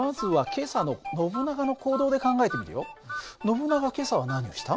今朝は何をした？